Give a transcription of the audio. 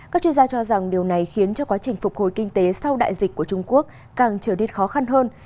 các chuyên gia cho rằng điều này khiến cho quá trình phục hồi kinh tế sau đại dịch của trung quốc càng trở nên khó khăn hơn